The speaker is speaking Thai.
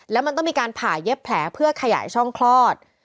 แล้วมันต้องมีการผ่าเย็บแผลเพื่อขยายช่องคลอด